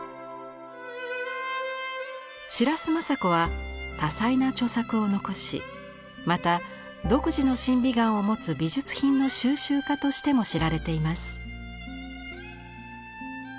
白洲正子は多彩な著作を残しまた独自の審美眼を持つ美術品の収集家としても知られています。